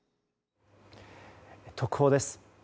特報です。